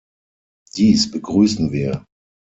Dies begrüßen wir.